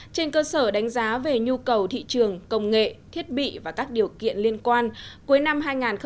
trên cơ sở đánh giá về nhu cầu thị trường công nghệ thiết bị và các điều kiện liên quan cuối năm hai nghìn hai mươi